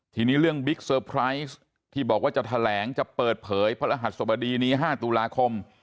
ทีนี้เรื่องบิ๊กเซอร์ไพรส์ที่บอกว่าจะแถลงจะเปิดเผยพระรหัสสบดีนี้๕ตุลาคม